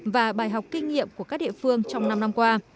và bài học kinh nghiệm của các địa phương trong năm năm qua